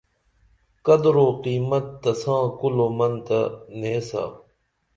قدر او قیمت تساں کُل او من تہ نیسا